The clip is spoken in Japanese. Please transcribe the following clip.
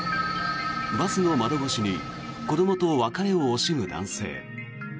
バスの窓越しに子どもと別れを惜しむ男性。